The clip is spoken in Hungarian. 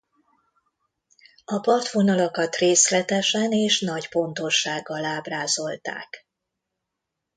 A partvonalakat részletesen és nagy pontossággal ábrázolták.